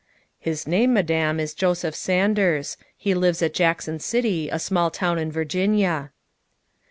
' His name, Madame, is Joseph Sanders. He lives at Jackson City, a small town in Virginia."